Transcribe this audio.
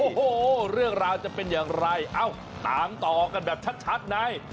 โอ้โหเรื่องราวจะเป็นอย่างไรเอ้าตามต่อกันแบบชัดใน